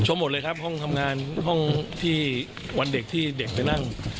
หมดเลยครับห้องทำงานห้องที่วันเด็กที่เด็กไปนั่ง